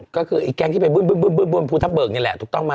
ก็คือไอ้แก๊งที่ไปบึ้นบนภูทับเบิกนี่แหละถูกต้องไหม